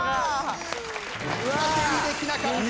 縦にできなかった！